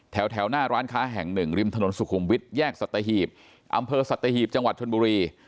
แถวหน้าร้านค้าแห่งหนึ่งริมถนนสุขุมวิทย์แยกสัตหีบอำเภอสัตหีบจังหวัดชนบุรี